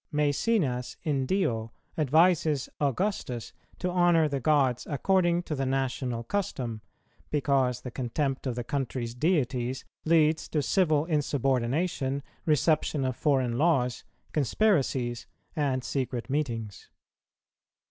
Mæcenas in Dio advises Augustus to honour the gods according to the national custom, because the contempt of the country's deities leads to civil insubordination, reception of foreign laws, conspiracies, and secret meetings.